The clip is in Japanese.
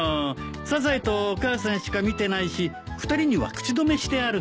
サザエとお母さんしか見てないし２人には口止めしてあるから。